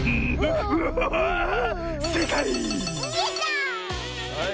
せいかい！